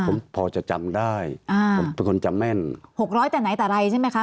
ผมพอจะจำได้อ่าผมเป็นคนจำแม่นหกร้อยแต่ไหนแต่ไรใช่ไหมคะ